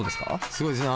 すごいですね。